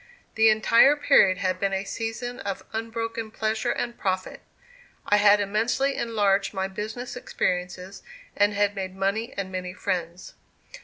The entire period had been a season of unbroken pleasure and profit. I had immensely enlarged my business experiences and had made money and many friends.